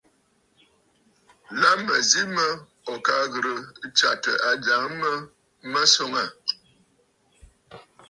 La mə̀ zi mə ò ka ghɨ̀rə tsyàtə ajàŋə mə mə̀ swòŋə aà.